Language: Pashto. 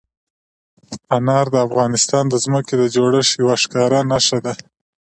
انار د افغانستان د ځمکې د جوړښت یوه ښکاره نښه ده.